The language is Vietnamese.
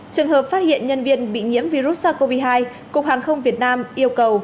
trường hợp phát hiện nhân viên bị nhiễm virus sars cov hai cục hàng không việt nam yêu cầu